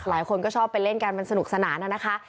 หลายคนก็ชอบไปเล่นกันมันสนุกสนานนะคะ